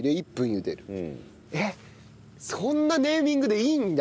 えっそんなネーミングでいいんだ。